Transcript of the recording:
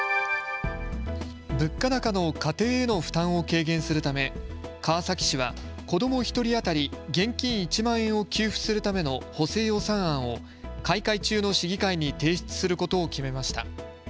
物価高の家庭への負担を軽減するため川崎市は子ども１人当たり現金１万円を給付するための補正予算案を開会中の市議会に提出することを決めました。